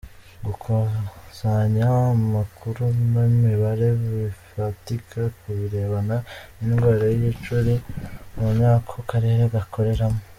Gukusanya amakuru n’ imibare bifatika kubirebana n’indwara y’igicuri mun ako karere akoreramo.